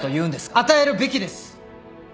与えるべきです。